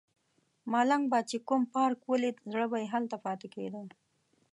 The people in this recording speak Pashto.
ملنګ به چې کوم پارک ولیده زړه به یې هلته پاتې کیده.